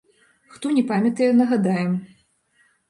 Хто не памятае, нагадаем.